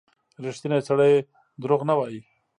• ریښتینی سړی دروغ نه وايي.